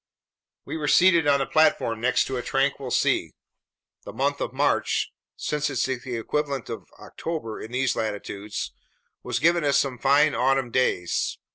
We were seated on the platform next to a tranquil sea. The month of March, since it's the equivalent of October in these latitudes, was giving us some fine autumn days.